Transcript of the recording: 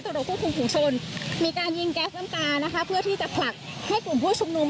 ควบคุมฝุงชนมีการยิงแก๊สน้ำตานะคะเพื่อที่จะผลักให้กลุ่มผู้ชุมนุม